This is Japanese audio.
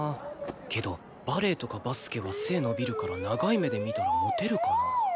けどバレーとかバスケは背伸びるから長い目で見たらモテるかな